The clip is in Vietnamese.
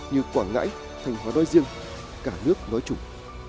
như quảng ngãi thành hóa nói riêng cả nước nói chủng